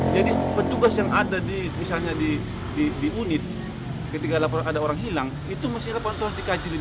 jadi petugas yang ada di misalnya di unit ketika ada orang hilang itu masih lepon terus dikaji di